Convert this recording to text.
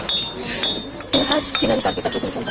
ফিনহাস ছিলেন তাঁর পিতার প্রথম সন্তান।